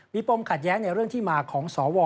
มีปมขัดแย้งในเรื่องที่มาของสว